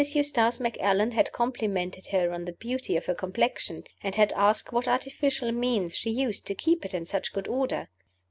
Eustace Macallan had complimented her on the beauty of her complexion, and had asked what artificial means she used to keep it in such good order.